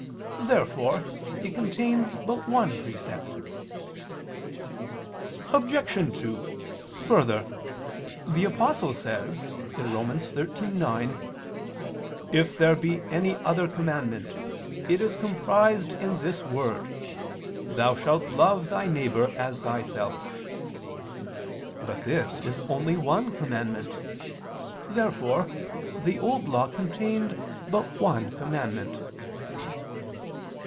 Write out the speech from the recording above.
Therefore it contains but one precept. Obj. 2: Further, the Apostle says (Rom. 13:9): "If there be any other commandment, it is comprised in this word: Thou shalt love thy neighbor as thyself." But this is only one commandment. Therefore the Old Law contained but one commandment.